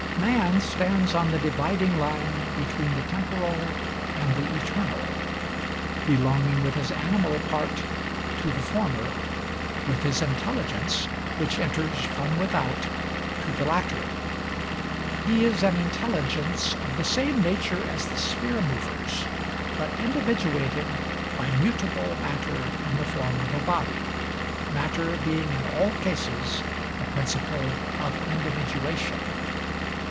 Man stands on the dividing line between the temporal and the eternal; belonging with his animal part to the former, with his intelligence (which "enters from without") to the latter. He is an intelligence, of the same nature as the sphere movers, but individuated by mutable matter in the form of a body, matter being in all cases the principle of individuation.